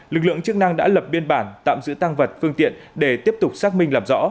lực lượng chức năng đã lập biên bản tạm giữ tăng vật phương tiện để tiếp tục xác minh làm rõ